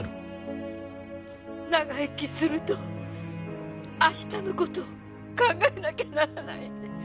「長生きすると明日の事を考えなきゃならない」